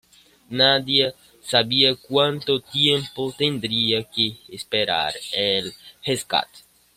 Nadie sabía cuánto tiempo tendrían que esperar el rescate.